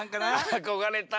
あこがれた。